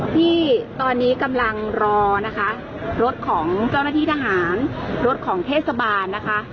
ที่ตอนนี้กำลังรอนะคะรถของเจ้าหน้าที่ทหารรถของเทศบาลนะคะ